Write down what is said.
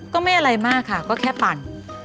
ก็ไม่อะไรมากค่ะก็แค่ปั่น